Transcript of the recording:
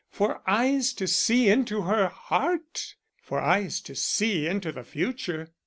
For eyes to see into her heart! For eyes to see into the future!